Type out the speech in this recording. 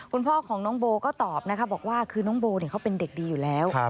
คุณพ่อของน้องโบก็ตอบนะคะบอกว่าคือน้องโบเขาเป็นเด็กดีอยู่แล้ว